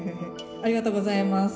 ありがとうございます。